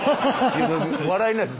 笑えないです。